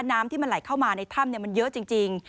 น้ำที่มันไหลเข้ามาในถ้ำมันเยอะจริง